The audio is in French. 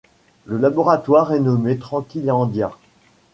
Le laboratoire est nommé Tranquilandia.